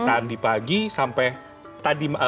tadi pagi sampai